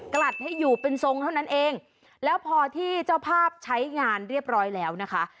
ลัดให้อยู่เป็นทรงเท่านั้นเองแล้วพอที่เจ้าภาพใช้งานเรียบร้อยแล้วนะคะ